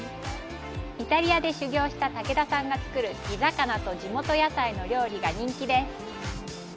イタリアで修業した武田さんが作る地魚と地元野菜の料理が人気です。